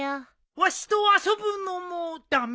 わしと遊ぶのも駄目？